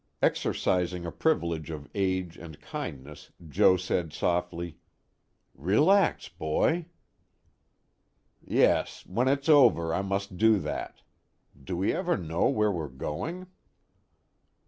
_ Exercising a privilege of age and kindness, Joe said softly: "Relax, boy." "Yes, when it's over, I must do that. Do we ever know where we're going?"